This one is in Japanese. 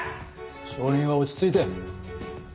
証人は落ち着いて。